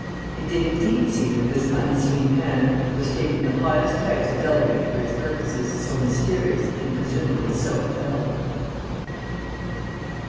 It did indeed seem that this unseen hand was taking the highest types of delegate for its purposes so mysterious and presumably so fell.